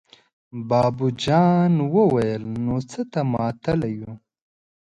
بابو جان وويل: نو څه ته ماتله يو!